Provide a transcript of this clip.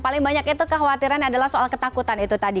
paling banyak itu kekhawatiran adalah soal ketakutan itu tadi